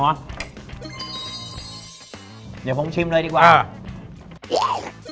เดี๋ยวผมชิมเลยดีกว่า